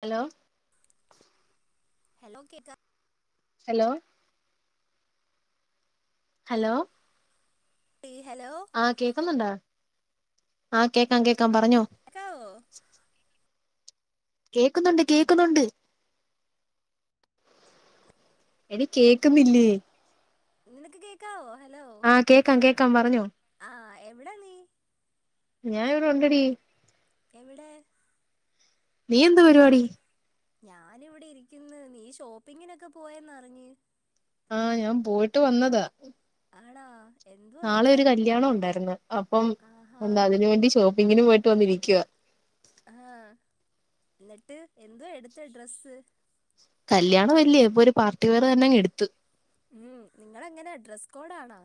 Hello hello കേട്ടാ hello hello ഹല ആഹ കേക്കുന്നുണ്ട ആഹ കേക്കാം കേക്കാം പറഞ്ഞോ കേക്കാവോ കേക്കുന്നുണ്ട് കേക്കുന്നുണ്ട് എനി കേക്കുംല്ലയ നിനക്ക് കേക്കാവോോ ആഹ് കേക്കാം കേക്കാം പറഞ്ഞോ ആഹ് എവിടാ നീ ഞൻ ഇവിടെ ഉണ്ടടി എവിടെ നീ എന്ത് പരിപാടി ഞാനിവിടെ ഇരിക്കുന്നു നീ ഷോപ്പിങ്ങിനൊക്കെ പോയന്ന് അറിഞ്ഞു ആഹ ഞാൻ പോയിട്ട് വന്നതാ ആണാ എന്തോ നാളെ എവിടാ ഒരു കല്യാണം ഉണ്ടായിരുന്നു അപ്പം ആഹാ എന്താ അതിന് വേണ്ടി അെങ്ങനും പോയിട്ട് വന്നിരിക്കുവ ആഹ എന്നിട്ട് എന്താ എടുത്ത ഡ്രസ്സ് കല്യാണം വല്യ ഇപ്പൊ ഒരു പാർട്ടി വെയർ തന്നെ എടുത്തത്ത് ഉം നിങ്ങ എങ്ങനെ ഡ്രസ് കോഡാണോ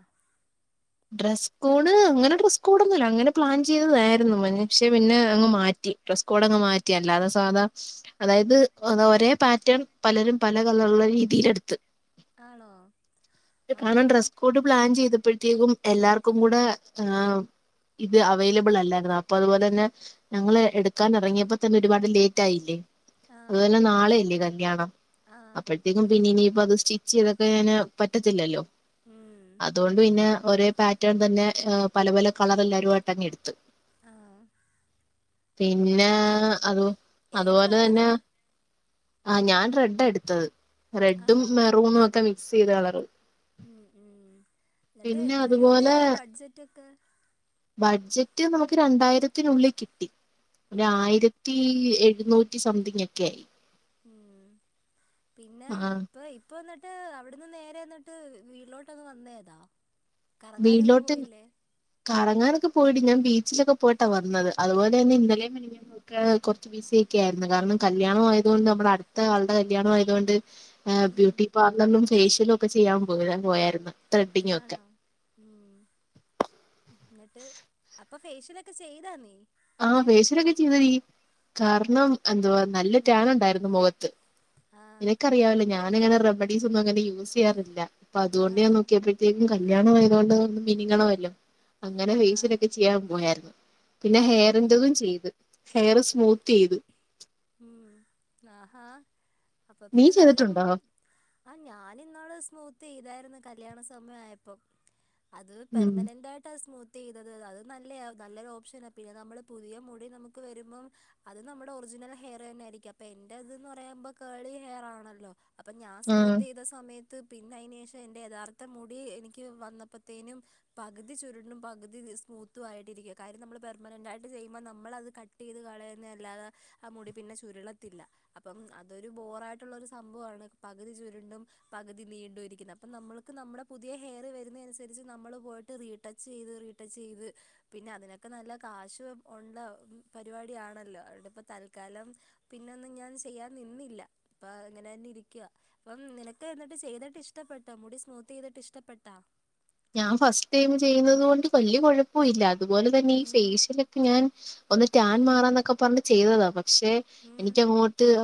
ഡ്രസ്സ് കോഡ് അങ്ങനെ ഡ്രസ്സ് കോഡ് ഒന്നുംല്ല അങ്ങനെ പ്ലാൻ ചെയ്ത ക്ഷേ ഉം പിന്നെ അങ്ങ് മാറ്റി ഡ്രസ് കോഡങ് മാറ്റിയല്ല അത സാധാ അതായത് ഒരേ പാറ്റേൺ പലരും പല കളറ രീതിൽെടുത്ത് ആണോ കാരണം ആഹാ ഡ്രസ് കോഡ് പ്ലാൻ ചെയ്തപ്പോഴത്തേക്കും എല്ലാർക്കും കൂടെ ആ ഇത് അവൈലബിൾ അല്ലായിുന്ന അപ്പൊ അതുപോലെ തന്നെ ഞങ്ങള് എടുക്കാൻ ഇറങ്ങിയപ്പോ തന്നെ ഒരുപാട് ലേറ്റ് ആയില്ലേ ആ അതുപോലന്നെ നാളെയല്ലേ കല്യാണം ആ അപ്പോഴത്തേക്കും പിന്ന ഇനി അപ്പ അത് സ്റ്റിച്ച് ചെയ്തൊക്കെ ഞാന് പറ്റത്തില്ലല്ലോ ഉം അതുകൊണ്ട് പിന്നെ ഒരേ പാറ്റേൺ തന്നെ ഏ പല പല കളർ എല്ലരുുംമായിട്ടങ്ങി എടുത്ത്ു ആ പിന്നെ എന്നിട്ട് അത് ഏത് അതുപോലെ കളറാ തന്നെ ആഹ ഞാൻ റെഡാ എടുത്തത് റെഡും മെറൂണും ഒക്കെ മിക്സ് ചെയ്ത് കളർ ഉ ഉം എന്നിട്ട് എത്ര അതുപോലെ രൂപയായി ബഡ്ജറ്റ് ഒക്കെ ബഡ്ജറ്റ് നമുക്ക് രണ്ടായിരത്തിനുള്ളിൽ കിട്ടി ഒരു ഉം ആയിരത്തി ഇരുന്നൂറ്റി സംതിങ് ഒക്കെ ആയി ഉം പിന്നെ ആഹ് ഇപ്പ ഇപ്പൊന്നാ എന്നട്ട് അവിടന്ന് നേരെ എന്നിട്ട് വീട്ടിലോട്ടങ് വന്നേയ്താ വീട്ടിലോട്ട് കറങ്ങാനൊക്കെ പോയെടി ഞാൻ ബീച്ചിലൊക്കെ പോയിട്ടാ വന്നത് അതുപോലെ തന്നെ ഉം ഇന്നലേം മിനങാന്നു ഒക്കെ കുറ ബിസിയൊക്കെ ആയിരുന്നു കാരണം കല്യാണം ആയതുകൊണ്ട് നമ്മുടെ അടുത്ത ആളുടെ കല്യാണം ആതുകൊണ്ട് ആ ഉം ബ്യൂട്ടി പാർലറിലും ഫേഷ്യലും ഒക്കെ ചെയ്യാൻ പോയാ പോയരുന്നു ത്രെഡിങ്ങും ഒക്കെ ഉ എന്നിട്ട് അപ്പൊ ഫേഷ്യലൊക്കെ ചെയ്താ നീ ആ ഫേഷ്യലൊക്കെ ചെയ്തെടി കാരണം എടി എന്തുവാ നല്ല റ്റാൻ ഉം ഉണ്ടായിരുന്നു മുഖത്ത് ആഹ് നിനക്കറിയാവല്ലോ ഞാനിങ്ങനെ റമെഡീസ് ഒന്നും അങ്ങനെ യൂസ് ചെയ്യാറില്ല അപ്പൊ അതുകൊണ്ട് ഞാൻ ആഹ് നോക്കിയപ്പോഴത്തേക്കും കല്യാണ ആതുകൊണ്ട് ഒന്നു മിനുങ്ങണമല്ലോ അങ്ങനെ ആഹ് ഫേഷ്യലൊക്കെ ചെയ്യാൻ പോയായിരുന്നു ആഹ് ന്റതും ചെയ്ത് ഹെയർ സ്മൂത്ത് ചെയ്ത് ഉം ആഹാ അപ്പൊ നീ പിന്നെ നല്ല ചെയ്തിട്ടുണ്ടോ ആ ഞാൻ ഇന്നാള് സ്മൂത്ത് ചെയ്തായിരുന്നു കല്യാണ സമയായപ്പോ അത് ഉം പെർമനന്റ് ആയിട്ടസ്മൂ ത്ത് ചെയ്തത് അത് നല്ലയാ നല്ലൊരു ഓപ്ഷനാ പിന്നെ നമ്മള് പുതിയ മുടി നമുക്ക് വരുമ്പം അത് നമ്മുടെ ഒറിജിനൽ ഹെയർ തന്നെ ആയിരിക്കും അപ്പൊ എന്റെ അതുന്നു പറയുമ്പോ കേളി ഹെയർ ആണല്ലോ അപ്പൊ ഞാൻ ആഹ് സ്മൂത്ത് ചെയ്ത സമയത്ത് പിന്നെ അതിന് ശേഷം എന്റെ യഥാർത്ഥ മുടി എനിക്ക് വന്നപ്പോത്തേനും പകുതി ചുരുണ്ടും പകുതി സ്മൂത്തും ആയിട്ടിരിക്കുവാ കാര്യം നമ്മൾ പെർമനന്റ് ആയിട്ട് ചെയ്യുമ്പോൾ നമ്മളത് കട്ട് ചെയ്ത് കളയുന്ന അല്ലാതെ ആ മുടി പിന്നെ ചുരുളത്തില്ല അപ്പം അതൊരു ബോറായിട്ടുള്ളൊരു സംഭവമാണ് പകുതി ചുരുണ്ടും പകു പകുതി നീണ്ടും ഇരിക്കുന്നത് അപ്പം നമ്മൾക്ക് നമ്മുടെ പുതിയ ഹെയർ വരുന്നതിനനുസരിച്ച് നമ്മൾ പോയിട്ട് റീടച്ച് ചെയ്ത് ചെയ്ത് പിന്നെ അതിനൊക്കെ നല്ല കാശും ഉള്ള പരിപാടിയണല്ലോ അതോണ്ടിപ്പോ ത ൽക്കാലം പിന്നൊന്നും ഞാൻ ചെയ്യാൻ നിന്നില്ല അപ്പ അതിങ്ങനെ തന്നെ ഇരിക്കുവാ അപ്പം നിനക്ക് എന്നിട്ട് ചെയ്തിട്ട് ഇഷ്ടപ്പെട്ടോ മുടി സ്മൂത്ത്‌ ചെയ്തിട്ട് ഇഷ്ടപ്പെട്ടാ ഞാൻ ഫസ്റ്റ് ടൈം ചെയ്യുന്നത് കൊണ്ട് വല്ല്യ കൊഴപ്പം ഇല്ല അതുപോലെ തന്നെ ഈ ഉം ഫേഷ്യലൊക്കെ ഞാൻ ഒന്ന് ടാൻ ഉം മാറാന്നൊക്കെ പറഞ് ചെയ്തതാ പക്ഷെ ഉം എനിക്ക് അങ്ങോട്ട് അ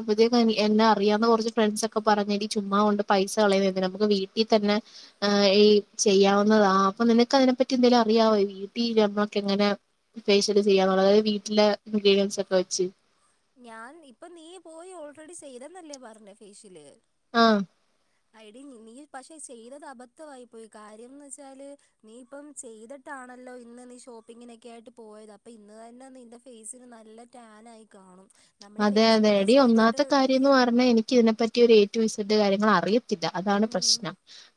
എന്നെ അറിയാവുന്ന കുറച്ച് ഫ്രണ്ട്സ് ഒക്കെ പറഞ്ഞ് എടി ചുമ്മാ കൊണ്ട് പൈസ കളയുന്നത് എന്തിനാ നമുക്ക് വീട്ടിൽ തന്നെ എ ഐ ചെയ്യാവുന്നതാ അപ്പൊ നിനക്ക് അതിനെ പറ്റി എന്തെങ്കിലും അറിയാവോ വീട്ടിൽ നമ്മക്കെ എങ്ങനാ ഫേഷ്യല് ചെയ്യാന്നുള്ളത് അതായത് വീട്ടിലെ ഇൻഗ്രീഡിയൻസ് ഒക്കെ വെച്ച് ഞാൻ ഇപ്പൊ നീ പോയി ഓൾറെഡി ചെയ്തെന്നല്ലേ പറഞ്ഞെ ഫേഷ്യല് ആ എടീ നീ പക്ഷെ ചെയ്തത് അബദ്ധമായി പോയി കാര്യംന്ന് വെച്ചാല് നീ ഇപ്പം ചെയ്തിട്ട ആണല്ലോ ഇന്ന് നീ ഷോപ്പിങ്ങിനൊക്കെ ആയിട്ട് പോയത് അപ്പൊ ഇന്ന് തന്നെ നിന്റെ ഫേസിന് നല്ല ടാൻ ആയി കാണും നമ്മള് അതെ അതെ ഫേഷ്യലൊക്കെ എടി ഒന്നാമത്തെ ചെയ്തിട്ട് കാര്യം എന്ന് പറഞ്ഞാ എനിക്ക് ഇതിനെപ്പറ്റി ഒരു ഏ ടു ഇസഡ് കാര്യങ്ങൾ അറിയ ത്തില്ല അതാണ് ഉം പ്രശ്നം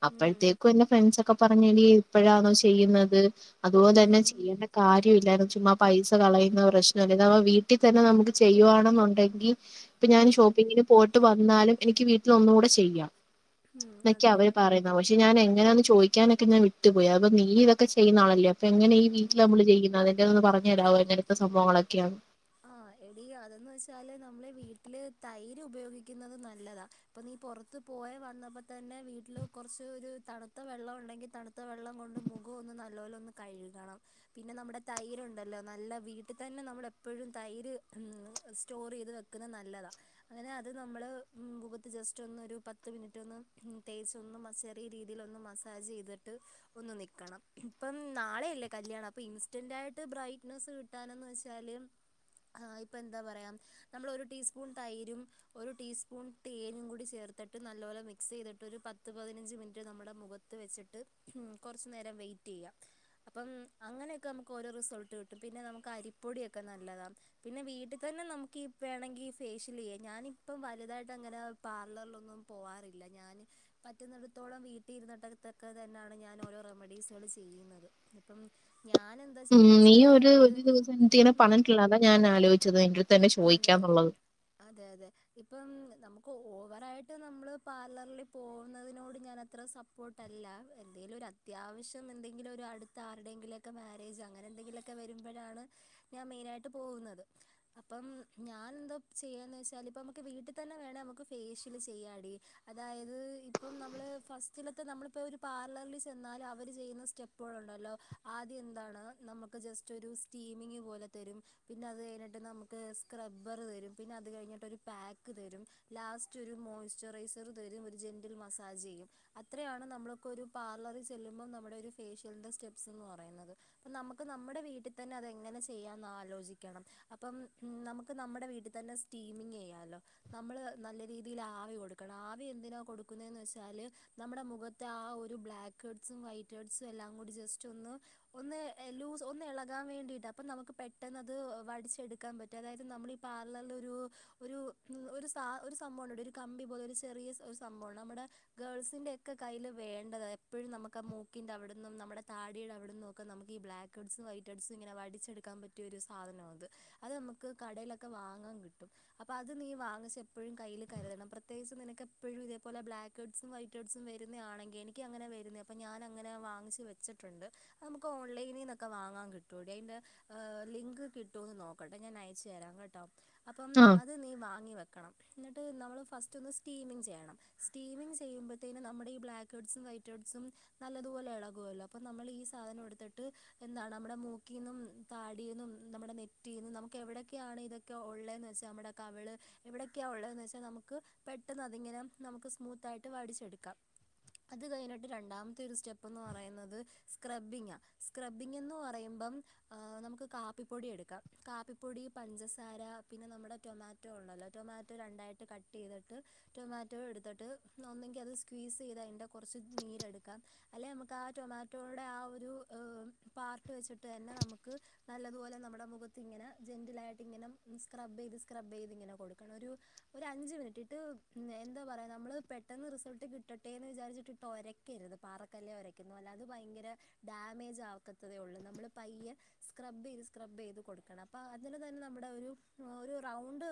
ഉം അപ്പോഴത്തേക്കും എന്റെ ഫ്രണ്ട്സ് ഒക്കെ പറഞ് ഇനി ഇപ്പോഴാണോ ചെയ്യുന്നത് അതുപോലെ തന്നെ ഉം ചെയ്യേണ്ട കാര്യമില്ലായിരുന്നു ചുമ്മാ പൈസ കളയുന്ന പ്രശ്നം പിന്നെമ വീട്ടി തന്നെ നമുക്ക് ചെയ്യുവാണെന്നുണ്ടെങ്കിൽ ഇപ്പൊ ഞാൻ ഉം ഷോപ്പിങ്ങിന് പോയിട്ട് വന്നാലും എനിക്ക് വീട്ടിൽ ഒന്നുകൂടെ ചെയ്യാം ഉം എന്നൊക്കെയ അതെ അവര് അതെ പറയുന്ന പക്ഷെ ഞാൻ എങ്ങനെയാന്ന് ചോദിക്കാനൊക്കെ ഞാൻ വിട്ടുപോയി അപ്പ നീ ഇതൊക്കെ ചെയ്യുന്നാളല്ലേ അപ്പൊ എങ്ങനെ ഈ വീട്ടിൽ ഉം നമ്മള് ചെയ്യുന്നത് അതെന്റെതൊന്ന് പറഞ്ഞു തരാമോ എങ്ങനത്തെ സംഭവങ്ങളൊക്കെയാന്ന് ആഹ് എടി അതെന്ന് വെച്ചാല് നമ്മള് വീട്ടില് തൈര് ഉപയോഗിക്കുന്നത് നല്ലതാ ഇപ്പ നീ പുറത്തുപോ പോയ വന്നപ്പോൾ തന്നെ വീട്ടിൽ കുറച്ച് ഒരു തണുത്ത വെള്ളം ഉണ്ടെങ്കിൽ തണുത്ത വെള്ളം കൊണ്ട് മുഖം ഒന്ന ന നല്ലോലോന്നു കഴുകണം പിന്നെ നമ്മുടെ തൈരു ഉണ്ടല്ലോ നല്ല വീട്ടിൽ തന്നെ നമ്മ എപ്പോഴും തൈര് സ്റ്റോർ ചെയ്ത് വെക്കുന്നത് നല്ലതാ അങ്ങനെ അത് നമ്മൾ മുഖത്ത് ചെ ജസ്റ്റ്‌ ഒന്നൊരു പത്തുമിനിട്ടൊന്നു തേച്ചു ചെറിയ രീതിയിലൊന്നു മസാജ് ചെയ്തിട്ട് ഒന്ന് നിൽക്കണം ഇപ്പം നാളെയല്ലേ കല്യാണം അപ്പം ഇൻസ്റ്റന്റായിട്ട് ബ്രൈറ്റ്നെസ്സ് കിട്ടാനെന്ന് വെച്ചാൽ [unintelligible] ആ ഇപ്പം എന്താ പറയാ നമ്മൾ ഒരു ടീസ്പൂൺ തൈരും ഒരു ടീസ്പൂൺ തേനും കൂടി ചേർത്തിട്ട് നല്ലപോലെ മിക്സ് ചെയ്തിട്ട് പത്ത് പതിനഞ്ച് മിനിറ്റ് നമ്മുടെ മുഖത്ത് വെച്ചിട്ട് കുറച്ച് നേരം വെയിറ്റ് ചെയ്യും അപ്പം അങ്ങനെയൊക്കെ നമുക്ക് ഓരോ റിസൾട്ട് കിട്ടും പിന്നെ നമുക്ക് അരിപ്പൊടിയൊക്കെ ഒക്കെ നല്ലതാണ് പിന്നെ വീട്ടിൽ തന്നെ നമുക്ക് ഈ വേണമെങ്കിൽ ഈ ഫേഷ്യൽ ചെയ്യാം ഞാനിപ്പം വലുതായിട്ട് അങ്ങനെ പാർലറിലൊന്നും പോകാറില്ല ഞാന് പറ്റുന്നിടത്തോളം വീട്ടിൽ ഇരുന്നിട്ടെക്കെ തന്നെയാണ് ഞാൻ റെമഡീസുകള് ചെയ്യുന്നത് ഇപ്പം ഞാൻ എന്താ ഉം ചെയ്യുന്നത് നീ വെച്ചാൽ ഒരു ഒരു ദിവസം എന്തി- ഉം പറഞ്ഞിട്ടുള്ള അതാ ഞാൻ ആലോചിച്ചത് അന്റെറടുത്ത് തന്നെ അതെ ചോദിക്കാന്നുള്ളത് അതെ അതെ ഇപ്പം നമുക്ക് ഓവറായിട്ട് നമ്മള് പാർലറിൽ പോകുന്നതിനോട് ഞാൻ അത്ര സപ്പോർട്ട് അല്ല എന്തെങ്കലും ഒരു അത്യാവശ്യം എന്തെങ്കിലും ഒരു അടുത്ത ആരുടെയെങ്കിലുമൊക്കെ മാരേജ് അങ്ങനെ എന്തെങ്കിലുമൊക്കെ വരുമ്പോഴാണ് ഞാൻ മെയിൻ ആയിട്ട് പോകുന്നത് അപ്പം ഞാൻ എന്താ ചെയ്യാന്ന് വെച്ചാല് ഇപ്പ നമ്മുക്ക് വീട്ടിൽ തന്നെ വേണ നമുക്ക് ഫേഷ്യൽ ചെയ്യാടി അതായത് ഇപ്പം നമ്മള് ഫസ്റ്റിലൊക്കെ ഒരു പാർലറിൽ ചെന്നാൽ അവർ ചെയ്യുന്ന സ്റ്റെപ്പുകൾ ഉണ്ടല്ലോ ആദ്യം എന്താണ് നമുക്ക് ജസ്റ്റ് ഒരു സ്റ്റീമിംങ്ങും പോലെ തരും പിന്നെ അത് കഴിഞ്ഞിട്ട് നമുക്ക് സ്ക്രബ്ബർ തരും പിന്നെ അത് കഴിഞ്ഞിട്ട് ഒരു പാക്ക് തരും ലാസ്റ്റ് ഒരു മോയ്സ്ചറൈസർ തരും ഒരു ജെന്റിൽ മസാജ് ചെയ്യും അത്രയാണ് നമ്മളക്ക ഒരു പാർള- ലറിൽ ചെല്ലുമ്പോൾ ഒരു ഫോഷ്യലിന്റെ സ്റ്റെപ്പ് എന്ന് പറയുന്നത് നമുക്ക് നമ്മുടെ വീട്ടിൽ തന്നെ എങ്ങനെ ചെയ്യാം ചെയ്യാമന്ന് ആലോചിക്കണം അപ്പം നമുക്ക് നമ്മുടെ വീട്ടിൽ തന്നെ സ്റ്റീമിങ് ചെയ്യാമല്ലോ നമ്മൾ നല്ല രീതിയിൽ ആവി കൊടുക്കണം ആവി എന്തിനാ കൊടുക്കുന്നതെന്ന് വെച്ചാല് നമ്മുടെ മുഖത്തെ ആ ഒരു ബ്ലാക്ക് ബാക് ഹെസ്സും വൈയ്റ്റ് ഹെസ്സും എല്ലാം കൂടി ജെസ്റ്റ് ഒന്ന് ഇളകാൻ വേണ്ടിയാണ് അപ്പം നമുക്ക് പെട്ടെന്ന് അത് വടിച്ചെടുക്കാൻ പറ്റും അതായത് നമ്മൾ ഈ പാർലറിൽ ഒരു ഒരു ഒരു ആ ഒരു സംഭവം ഉണ്ട് ടി ഒരു കമ്പി പോലെ ഒരു ചെറിയ ഒരു സംഭവമാണ് നമ്മുടെ ഗേൾസിൻന്റെറെ ഒക്കെ കൈയ്യിൽ വേണ്ടതായ എപ്പോഴും നമുക്ക് ആ മൂക്കിന്റെ അവിട നിന്നും നമ്മ താടിടെ അവിടെ നിന്ന ഒക്കെ നമുക് ഈ ബ്ലക്ക് ഹെഡ്സ വൈറ്റ്ഹെഡ്സ്റ്റുംഇങ്ങന വാടിച്ചെ എടുക്കാൻ പറ്റിയ ഒരു സാധന അത് നമുക്ക് കടൊലൊക്കെ വാങ്ങാൻ കിട്ടും അപ്പം അത് നീ വാങ്ങിച്ച എപ്പോഴും കയ്യിൽ കരുതണം പ്രത്യേകിച്ച് നിനക്ക് എപ്പോഴും ഇതേ പേലെ ബ്ലക്ക് ഹെഡ്സും വൈ ഹർഡ്സും വരുന്നയാണെങ്കിൽ എനിക്കങ്ങനെ വരുന്നയാ അപ്പൊ ഞാൻ അങ്ങനെ വാങ്ങിച്ചച്ച് വച്ചിട്ടുണ്ട് നമുക്ക് ഓൺലൈനിൽ നിന്നൊക്കെ വാങ്ങാൻ കിട്ടൂടി അതിന്റെ ആ ലിങ്ക് കിട്ടുമന്ന് നോക്കട്ടെ ഞാൻ അയച്ചു തരാം കേട്ടോ അപ്പം ആഹ് അത് നീ വാങ്ങി വെക്ക- [unintelligible] നമ്മൾ ഫസ്റ്റ് ഒന്ന് സ്റ്റീമിങ് ചെയ്യണം സ്റ്റീമിങ് ചെയ്യുമ്പോഴത്തേന് നമ്മുടെ ഈ ബ്ലാക്ക് ഹെഡ്സും വൈറ്റ് ഹെഡ്സും നല്ലതുപോലെ ഇളകുവല്ലോ അപ്പൊ നമ്മൾ ഈ സാധനം എടുത്തിട്ട് എന്താണ് നമ്മുടെ മൂക്കിൽ നിന്നും താടിന്നും നമ്മുടെ നെറ്റിൽ നിന്ന് നമുക്ക് എവിടെയൊക്കെയാണ് ഇതൊക്കെള്ളത്തന്ന് വെച്ചാൽ നമ്മുടെ കവള് എവിടെയൊക്കെയ ള്ള വെച്ചാൽ നമുക്ക് പെട്ടെന്ന് അതിങ്ങനെ നമുക്ക് സ്മൂത്ത് ആയിട്ട് വടിച്ചെടുക്കാം അത് കഴിഞ്ഞിട്ട് രണ്ടാമത്തെ ഒരു സ്റ്റെപ്പ്ന്ന് പറയുന്നത് സ്ക്രബിങ് സ്ക്രബ്ബിങ് എന്ന് പറയുമ്പം [unintelligible] നമക്ക് കാപ്പിപ്പൊടി എടുക്കാം കാപ്പിപ്പൊടി പഞ്ചസാര പിന്നെ നമ്മുടെ ടൊമാറ്റോ ഉണ്ടല്ലോ ടൊമാറ്റോ രണ്ട് ആയിട്ട് കട്ട് ചെയ്ട്ട് റ്റോമാറ്റോ എടുത്തിട്ട് ഒന്നുങ്കി അത് സ്ക്വീസ് ചെയ്ത്തി കുറച്ച് നീരു അല്ലെങ്ക നമുക്ക് ആ ടൊമാറ്റോയുടെ ആ പാർട്ട് വെച്ചിട്ട് തന്നെ നമു നല്ലതുപോലെ നമ്മുടെ മുഖത്തിങ്ങനെ ജെന്റിലായിട്ട് ഇനെ സ്ക്രബ് ചെയ്ത് സ്ക്രബ് ചെയ്തിണ്ടനെ കൊടുക്കണം ഒരു അഞ്ച് മിനിറ്റ് ഇട്ടിട്ട് എന്താ പറച്ച പെട്ടന് റിസൾട്ട കിട്ടട്ടെ എന്ന് വിചരിച്ച് ഇട്ട് ഒര- ഒരയ്ക്കരുത് പാറക്കല്ലെ ഒരക്കുന്ന പോലെ അല്ല അത് ഭയങ്കര ഡാമേജ് ആക്കത്തതേ ഉള്ളൂ നമ്മള് പയ്യെ സ്ക്രബ് ചെയ്ത് സ്ക്രബ്ബ് ചെയ്ത് കൊടുക്കണം അപ്പോൾ അതിന് തന്നെ നമ്മുടെ ഒരു ഒരു റൗണ്ട്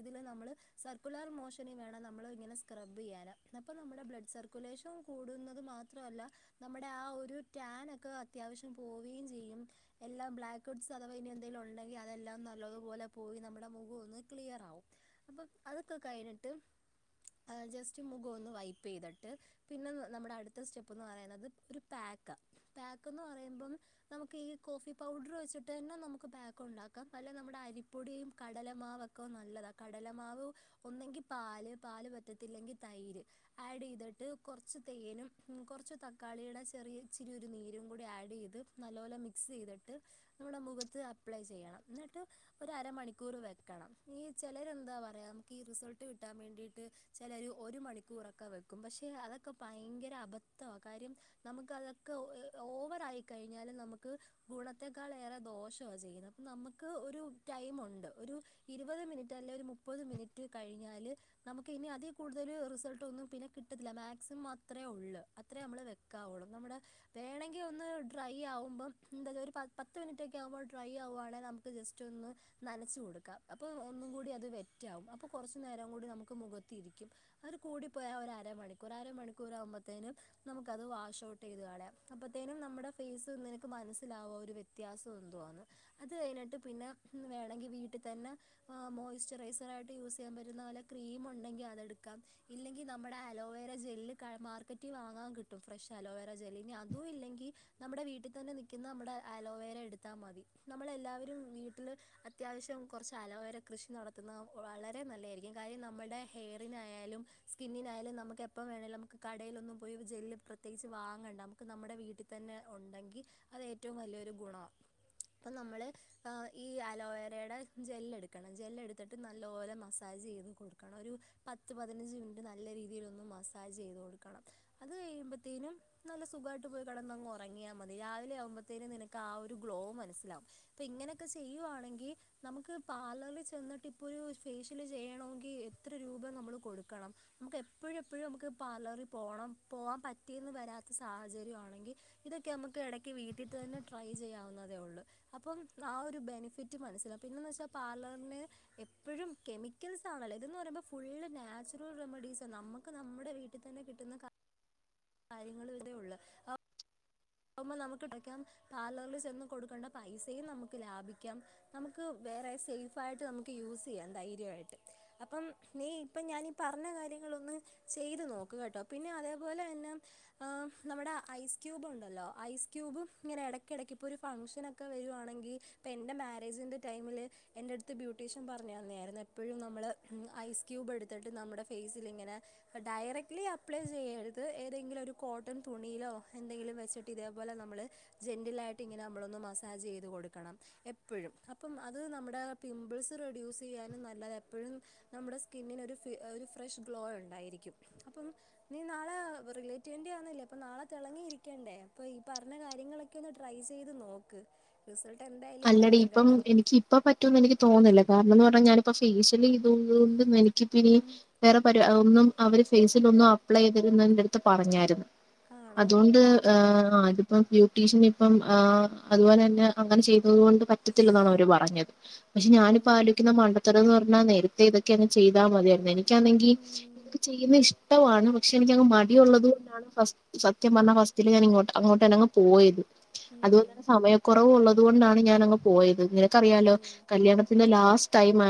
ഇതിൽ നമ്മൾ സർക്കുലർ മോഷന് വേണം നമ്മൾ ഇങ്ങനെ സ്ക്രബ് ചെയ്യാൻ അപ്പ നമ്മുടെ ബ്ലഡ് സർക്കുലേഷൻ കൂടും മാത്രല്ല നമ്മുടെ ആ ഒരു ട, ൻ ഒക്കെ അത്യാവശ്യം പോവുകയും ചെയ്യും എല്ലാം ബ്ലാക്ക് ഹഡ്സ് അഥവാ ഇനി എന്തെങ്കിലും ഉണ്ടെങ്കിൽ അതെല്ലാം നല്ലതുപലെ പോയി നമ്മുടെ മുഖം ഒന്ന് ക്ലിയറാകും അപ്പൊ അതൊക്കെ കഴിഞ്ഞിട്ട് ജെസ്റ്റ് മുഖം ഒന്ന് വെയ്പ്പ് ചെയ്തിട്ട് പിന്നെ നമ്മടെ അടുത്ത സ്‌റ്റപ്പ് എന്ന് പറയുന്നത് ഒരു പാക് ക്കാ പാക്ക് എന്ന് പറയുമ്പം നമുക്ക് ഏ- കോഫി പൗഡർ വെച്ചിട്ട് തന്നെ നമുക്ക് പാക്ക് ഉണ്ടാക്കാം അല്ല നമ്മുടെ അരിപ്പൊടിയും കടലമാവെക്കെ നല്ല കടല മാവ് ഒന്നെങ്കിൽ പാല് പാല് പറ്റത്തില്ലെങ്കിൽ തൈര് ആഡ് ചെയ്തിട്ട് കുറച്ച് തേനും കുറച്ച് തക്കാളിയുടെ ചെറിയ ഇച്ചിരി ഒരു നീരും ആഡ് ചെയ്ത് നല്ലോണം മിക്സ് ിക് ചെയ്തിട്ട് നമ്മുടെ മുഖത്ത് അപ്ലൈ ചെയ്യണം എന്നിട്ട് ഒരരമണിക്കൂർ വെക്കണം ഈ ചിലരെന്താ പറയാ നമുക്ക് ഈ റിസൾട്ട് കിട്ടാൻ വേണ്ടിട്ട് ചിലര് ഒരു മണിക്കൂറൊക്കെ വെക്കും പക്ഷെ ഒക്കെ ഭയങ്കര അബദ്ധ. കാര്യം നമുക്ക് അതൊക്കെ ഓവറ് ആയി കഴിഞ്ഞാലും നമുക്ക് ഗുണത്തെക്കാൾ ഏറെ ദോഷ ചെയ്യുന്ന്. നമുക്ക് ഒരു ടൈമുണ്ട് ഒരു ഇരുപത് ഇരുപത് മിനിറ്റ് അല്ലെങ്കി മുപ്പത് മിനിറ്റ് കഴിഞ്ഞാല് നമുക്ക് ഇനി അതിൽ കൂടുൽ റിസൾട്ട് ഒന്നും പിന്നെ കിട്ടത്തില്ല മാക്സിമം അത്രയേ ഉള്ളൂ അത്രയേ നമ്മൾ വെക്കാവൊള്ളൂ. നമ്മുടെ വേണൊങ്കി ഒന്ന് ഡ്രൈ ആവുമ്പം എന്താങ്കി ഒരു പത്ത് മിനിറ്റൊക്കെ ആകുമ്പോ ഡ്രൈ ആകുവാണേൽ നമുക്ക് ജസ്റ്റ്‌ ഒന്ന് നനച്ച് കൊടുക്കാം അപ്പൊ ഒന്നും കൂടി അത് വെറ്റാകും. അപ്പൊ കൊറച്ച് നേരം കൂടി നമുക്ക് മുഖത്തിരിക്കും. അങ്ങനെ കൂടി പ്പോയ അര മണിക്കൂറ് അര മണിക്കൂറ് ആവുമ്പത്തെനും നമുക്ക് അത് വാഷ്ഔട്ട് ചെയ്ത് കളയാം. അപ്പത്തേനും നമ്മടെ ഫേസ് മനസ്സിലാവും ഒരു വ്യത്യാസം എന്തുവാന്ന് അത് കഴിഞ്ഞിട്ട് പിന്നെ വേണെങ്കി വീട്ടിൽ തന്നെ മോയ്സ്ചറൈസർ ആയിട്ട് യൂസ് ചെയ്യാൻ പറ്റുന്ന പോലെ ക്രീം ഉണ്ടെങ്കിൽ അത് എടുക്കാം ഇല്ലെങ്കിൽ നമ്മുടെ അലോവര ജെല്ല്‌ മാർക്കറ്റിൽ വാങ്ങാൻ കിട്ടും ഫ്രഷ് അലോവറ ജെൽ. അതും ഇല്ലെങ്കി നമ്മുടെ വീട്ടി തന്നെ നിക്കുന്ന നമ്മടെ അലോവേര എടുത്താൽ മതി നമ്മള് എല്ലാവരും വീട്ടിൽ അത്യാവശ്യം കൊറച്ച് അലോ അലോവര കൃഷി നടത്തുന്നത് വളരെ നല്ലതായിരിക്കും. കാര്യം നമ്മുടെ ഹെയറിനായാലും സ്കിന്നിനായാലും നമ്മു നമുക്ക് എപ്പം വേണെലും നമുക്ക് കടയിലൊന്നും പോയി ജെല്ല് പ്രത്യേകിച്ച് വാങ്ങണ്ട നമുക്ക് നമ്മുടെ വീട്ടിതന്നെ ഉണ്ടെങ്കി അത് ഏറ്റവും വലിയൊരു ഗുണ അപ്പം നമ്മള് ഈ അലോവരയുടെ ജെല്ല്‌ എടുക്കണം ജെല്ല എടുത്തിട്ട് നല്ലപോലെ മസ്സാജ് മസ്സാജ് ചെയ്ത് കൊട്ക്കണം. ഒരു പത്ത് പതിനഞ്ച് മിനുട്ട് നല്ല രീതിയിലൊന്ന് മസ്സാജ് ചെയ്ത് കൊടുക്കണം. അത് കഴിഞ്ഞ് കഴിയുമ്പത്തേനും നല്ല സുഖമായിട്ട് പോയി കടന്നങ്ങ് ഉറങ്ങിയാ മതി രാവിലെ ആവുമ്പഴത്തേനും നിനക്ക് ആ ഒരു ഗ്ലോ മനസ്സിലാവും. ഇപ്പൊ ഇങ്ങനെയൊക്കെ ചെയ്യുവാണെങ്കിൽ നമുക്ക് പാർലറിൽ ചെന്നിട്ട് ഇപ്പോ ഒരു ഫേഷ്യൽ ചെയ്യണോങ്കി എത്ര രൂപ നമ്മള് കൊടുക്കണം നമുക്ക് എപ്പോഴും എപ്പഴും എപ്പഴും നമുക്ക് പാർലറിൽ പോണം പോവാൻ പറ്റിയെന്ന് വരാത്ത സാഹചര്യമാണെങ്കിൽ ഇതൊക്കെ നമുക്ക് ഇടക്ക് വീട്ടി തന്നെ ട്രൈ ചെയ്യാവുന്നതേ ഉള്ളു. അപ്പം ആ ഒരു ബെനിഫിറ്റ് മനസ്സിലകും. പിന്നന്ന് വെച്ചാ പാർലറിന് എപ്പോഴും കെമിക്കൽസ് ആണല്ലോ ഇതെന്ന് പറയുമ്പോൾ ഫുള്ള് നാച്ചുറൽ റെമഡീസ് നമ്മ നമുക്ക് നമ്മുടെ വീട്ടിൽ തന്നെ കിട്ടുന്ന [inaudible] കാര്യങ്ങള് ഇതേ ഉള്ളൂ ഇതാകുമ്പോ നമുക്ക് ഇടക്ക് പാർലറിൽ ചെന്ന് കൊടുക്കേണ്ട പൈസയും നമുക്ക് ലാഭിക്കാം നമുക്ക് [unintelligible] സേഫായിട്ട് നമുക്ക് യൂസ് ചെയ്യാം ധൈര്യമായിട്ട്. അപ്പം നീ ഇപ്പം ഞാനീ പറഞ്ഞ കാര്യങ്ങളൊ ന്ന് ചെയ്ത് നോക്ക്‌ കെട്ടോ. പിന്നെ അതേപോലെ തന്നെ നമ്മുടെ ഐസ്ക്യൂബ് ണ്ടല്ലോ. ഐസ് ക്യൂബും ഇങ്ങനെ ഇടയ്ക്കിടയ്ക്ക് ഇപ്പോ ഒരു ഫങ്ഷനൊക്കെ വരുവാണെങ്കിൽ ഇപ്പൊ എന്റെ മരേജിന്റെ ടൈം മുന്നേ എന്റടുത്തു ബ്യൂട്ടീഷ്യൻ പറഞ്ഞ് തന്നയായിരുന്നു എപ്പോഴും നമ്മള് ഐസ്ക്യൂബ് എടുത്തിട്ട് നമ്മടെ ഫേസില് ലിങ്ങനെ ഡയറക്ട്ലി അപ്ലൈ ചെയ്യരുത് ഏതെങ്കിലും ഒരു കോട്ടൺ തുണിയിലോ എന്തെങ്കിലും വെച്ച് [unintelligible] ഇതേ പോലെ നമ്മള് ജന്റില് ആയിട്ട് ഇങ്ങനെ മസ്സാജ് ചെയ്ത് കൊട്ക്കണം എപ്പഴും. അപ്പം അത് നമ്മുടെ പിമ്പ്ൾസ് റെഡ്യൂസ് ചെയ്യാനും നല്ലതാ. എപ്പഴും നമ്മുടെ സ്കിന്നിനൊരു ഒരു ഫ്രഷ് ഗ്ലോ എപ്പോഴും ഉണ്ടായിരിക്കും. അപ്പം നീ നാളെ റിലേറ്റീവിന്റെയാന്നല്ലേ അപ്പം നാളെ തിളങ്ങി നിക്കണ്ടേ ഇപ്പൊ ഈ പറഞ്ഞ കാര്യങ്ങളൊക്കെ ഒന്ന് ട്രൈ ചെയ്ത് നോക്ക് റിസൾട്ട് എന്തായാലും അല്ലടി കിട്ടും ഇപ്പം കേട്ടോ എനിക്ക് ഇപ്പൊ പറ്റുംന്ന് എനിക്ക് തോന്നുന്നില്ല കാരണം എന്ന് പറഞ്ഞാൽ ഞാനിപ്പോ ഫേഷ്യ [unintelligible] എനിക്ക് ഇപ്പൊ ഇനി ഉം. വേറെ പരിപാടി ഒന്നും അവര് ഫേസില് ഒന്നും അപ്ലൈ ചെയ്യരുതെന്ന് എന്റടുത് പറഞ്ഞായിരുന്നു ആണോ അതുകൊണ്ട് ഏഹ് ആഹ് അതിപ്പം ബ്യൂട്ടീഷ്യൻ ഇപ്പം ആഹ് അതുപോലെ തന്നെ അങ്ങനെ ചെയ്തത് കൊണ്ട് പറ്റത്തില്ലെന്നാണ് അവര് പറഞ്ഞത് പക്ഷെ ഞാൻ ഇപ്പൊ ഉം. ആലോയ്ക്കുന്ന മണ്ടത്തരം ന്ന് പറഞ്ഞ ന്നാ നേരത്തെ ഇതൊക്കെ അങ്ങ് ചെയ്താൽ മതിയായിരുന്നു. എനിക്കാണെങ്കി ഉം. ഇക്ക് ചെയ്യുന്നുന്നത് ഇഷ്ടമാണ് പക്ഷേ എനിക്കങ്ങ് മടിയുള്ളത് ഉം. കൊണ്ടാണ് ഫസ്റ്റ് സത്യം പറഞ്ഞ ഫസ്റ്റില് ഞാൻ ഇങ്ങോട്ട് അങ്ങോട്ടന്നങ്ങ് പോയത് അതുപോലെ ഉം. തന്നെ സമയക്കുറവ് ഉള്ളത് കൊണ്ടാണ് ഞാനങ്ങ് പോയത് നിനക്ക് അറിയാലോ ഉം. കല്യാണത്തിന്റെ ലാസ്റ്റ് ടൈം